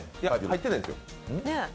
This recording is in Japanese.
入ってないですよ。